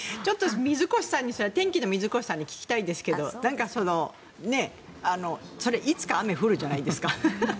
水越さんにしたら天気の水越さんに聞きたいんですがなんかいつか雨降るんじゃないですか？